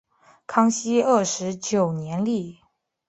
康熙二十九年立。